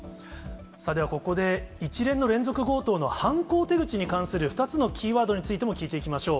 ではここで、一連の連続強盗の犯行手口に関する２つのキーワードについても聞いていきましょう。